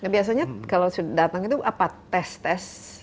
biasanya kalau sudah datang itu apa tes tes